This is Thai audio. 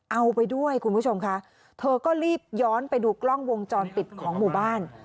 เอาไปด้วยคุณผู้ชมค่ะเธอก็รีบย้อนไปดูกล้องวงจรปิดของหมู่บ้าน